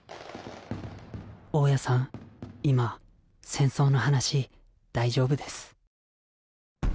大家さん今戦争の話大丈夫です